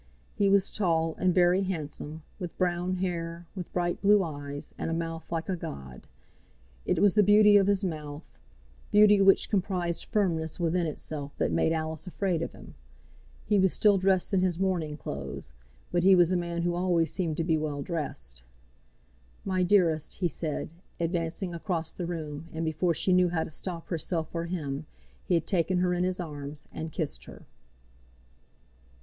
He was tall and very handsome, with brown hair, with bright blue eyes, and a mouth like a god. It was the beauty of his mouth, beauty which comprised firmness within itself, that made Alice afraid of him. He was still dressed in his morning clothes; but he was a man who always seemed to be well dressed. "My dearest," he said, advancing across the room, and before she knew how to stop herself or him, he had taken her in his arms and kissed her.